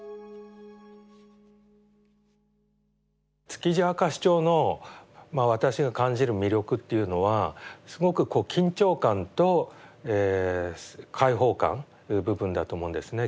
「築地明石町」の私が感じる魅力っていうのはすごくこう緊張感と開放感という部分だと思うんですね。